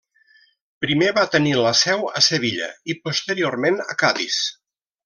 Primer va tenir la seu a Sevilla i posteriorment a Cadis.